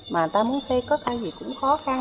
mà người ta muốn xây cất hay gì cũng khó khăn